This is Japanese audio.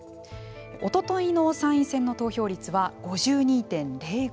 おとといの参院選の投票率は５２．０５％。